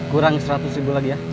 kurang seratus ribu lagi ya